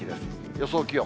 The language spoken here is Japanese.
予想気温。